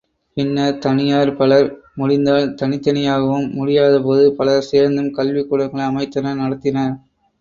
பின்னர் தனியார் பலர், முடிந்தால் தனித்தனியாகவும், முடியாத போது பலர் சேர்ந்தும், கல்விக்கூடங்களை அமைத்தனர் நடத்தினர்.